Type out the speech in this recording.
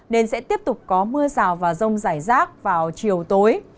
nên sẽ tiếp tục có mưa rào và rông rải rác vào chiều tối